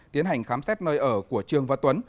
tiến hành khám xét nơi ở của trường và tuấn